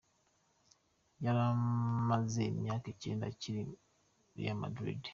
Yari amaze imyaka icyenda akinira Real Madrid.